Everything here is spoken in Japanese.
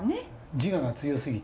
自我が強すぎて。